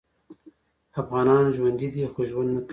افغانان ژوندي دي خو ژوند نکوي